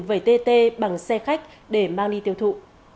vẩy tt bằng xe khách để mang đi tiêu thụ